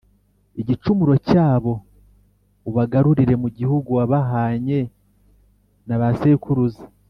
igicumuro cyabo, ubagarurire mu gihugu wabahanye na ba sekuruza.